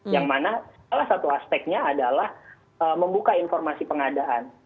yang mana salah satu aspeknya adalah membuka informasi pengadaan